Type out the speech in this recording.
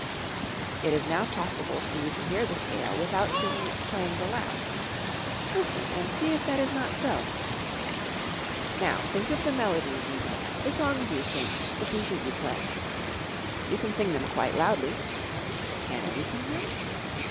It is now possible for you to hear the scale without singing its tones aloud. Listen and see if that is not so! Now think of the melodies you know, the songs you sing, the pieces you play. You can sing them quite loudly (can you sing them?)